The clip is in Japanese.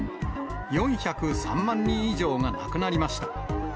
４０３万人以上が亡くなりました。